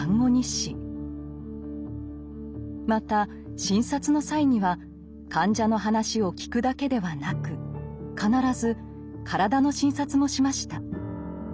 また診察の際には患者の話を聞くだけではなく必ず体の診察もしました。